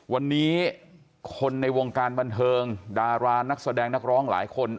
วันนี้คนในวงการบันเทิงดารานักแสดงนักร้องหลายคน